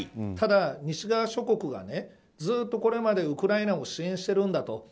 ただ、西側諸国がねずっとこれまでウクライナを支援してるんだと。